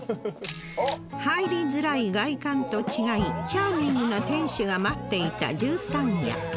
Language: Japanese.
入りづらい外観と違いチャーミングな店主が待っていた十三屋